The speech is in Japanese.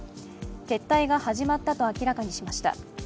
撤退が始まったと明らかにしました。